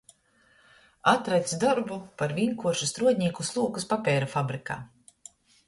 Atrads dorbu par vīnkuoršu struodnīku Slūkys papeira fabrikā.